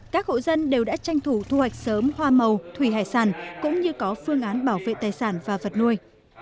các hộ dân đều đã tranh thủ thu hoạch sớm hoa màu thủy hải sản cũng như có phương án bảo vệ tài sản và vật nuôi